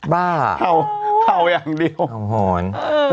บ้าเข่าอย่างเดียวหอน